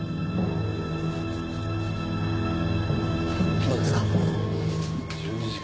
どうですか？